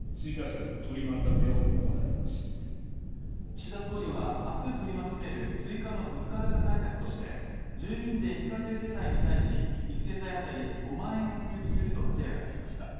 岸田総理はあす取りまとめる追加の物価高対策として住民税非課税世帯に対し１世帯当たり５万円を給付すると明らかにしました